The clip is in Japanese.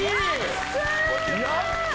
やった！